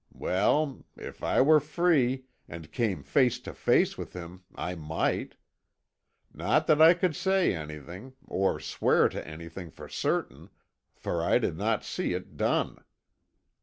Well, if I were free, and came face to face with him, I might. Not that I could say anything, or swear to anything for certain, for I did not see it done.